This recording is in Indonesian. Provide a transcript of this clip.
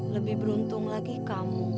lebih beruntung lagi kamu